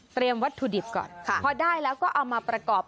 วัตถุดิบก่อนพอได้แล้วก็เอามาประกอบ